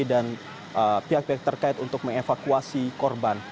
pihak pihak terkait untuk mengevakuasi korban